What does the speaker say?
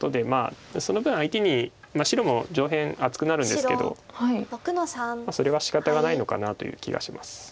その分相手に白も上辺厚くなるんですけどそれはしかたがないのかなという気がします。